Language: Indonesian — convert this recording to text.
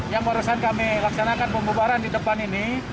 yang barusan kami laksanakan pembubaran di depan ini